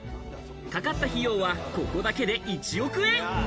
かかった費用はここだけで１億円。